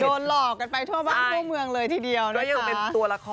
โดนหลอกกันไปทั่วบ้านทั่วเมืองเลยทีเดียว